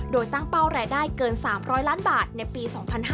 โดยตั้งเป้ารายได้เกิน๓๐๐ล้านบาทในปี๒๕๕๙